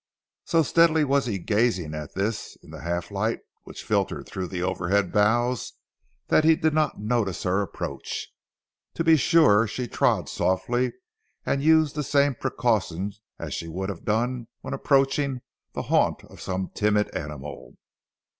So steadily was he gazing at this in the half light which filtered through the overhead boughs, that he did not notice her approach. To be sure she trod softly and used the same precaution as she would have done when approaching the haunt of some timid animal.